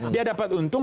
dia dapat untung